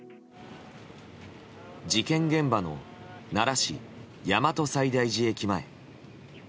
事件現場の奈良市大和西大寺駅。